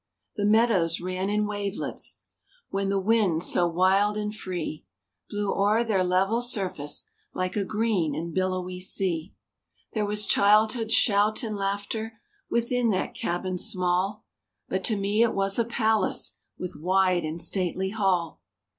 The meadows ran in wavelets, When the wind so wild and free Blew o'er their level surface Like a green and billowy sea. There was childhood's shout and laughter Within that cabin small; But to me it was a palace, With wide and stately hall.